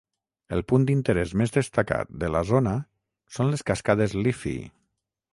El punt d'interès més destacat de la zona són les cascades Liffey.